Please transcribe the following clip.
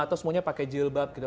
atau semuanya pakai jilbab gitu